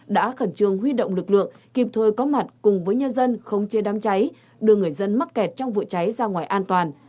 đã khẩn trương huy động lực lượng kịp thời có mặt cùng với nhân dân không chê đám cháy đưa người dân mắc kẹt trong vụ cháy ra ngoài an toàn